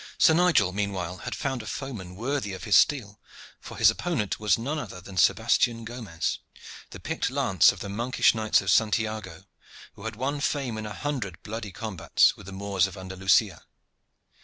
Sir Nigel, meanwhile, had found a foeman worthy of his steel for his opponent was none other than Sebastian Gomez, the picked lance of the monkish Knights of Santiago, who had won fame in a hundred bloody combats with the Moors of Andalusia.